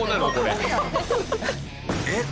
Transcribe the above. えっ！？